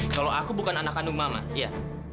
kalau aku bukan anak kandung mama ya